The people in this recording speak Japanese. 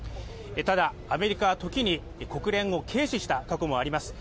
ただ、アメリカは時に国連を軽視した過去もあります。